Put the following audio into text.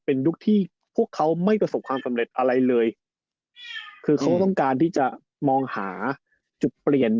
เป็นยุคที่พวกเขาไม่ประสบความสำเร็จอะไรเลย